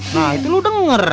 nah itu lo denger